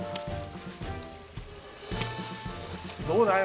どうだい？